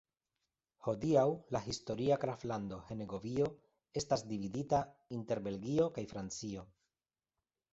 Hodiaŭ la historia graflando Henegovio estas dividita inter Belgio kaj Francio.